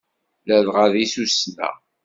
Ladɣa di tussna.